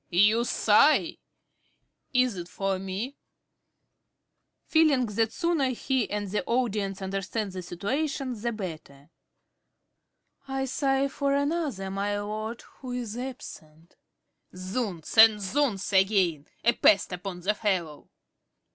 _) You sigh! Is't for me? ~Dorothy~ (feeling that the sooner he and the audience understand the situation the better). I sigh for another, my lord, who is absent. ~Carey~ (annoyed). Zounds, and zounds again! A pest upon the fellow!